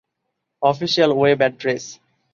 official web address